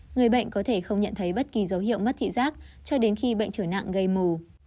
người bệnh có thể không nhận thấy bất kỳ dấu hiệu mất thị giác cho đến khi bệnh trở nặng gây mù